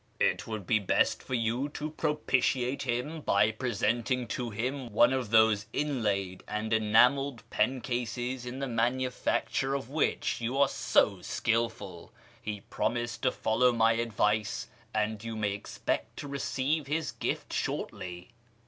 It would be best for you to propitiate him by presenting to him one of those inlaid and enamelled pen cases in the manufacture of which you are so skilful' He promised to follow my advice, and you may expect to receive his gift shortly."